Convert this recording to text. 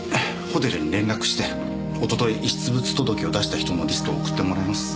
ホテルに連絡しておととい遺失物届を出した人のリストを送ってもらいます。